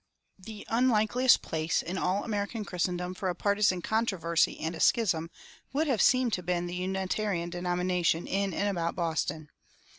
The unlikeliest place in all American Christendom for a partisan controversy and a schism would have seemed to be the Unitarian denomination in and about Boston.